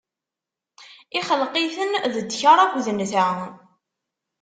ixleq-iten d ddkeṛ akked nnta.